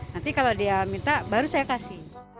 nanti kalau dia minta baru saya kasih